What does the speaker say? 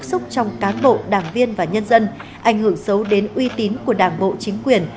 xúc trong cán bộ đảng viên và nhân dân ảnh hưởng xấu đến uy tín của đảng bộ chính quyền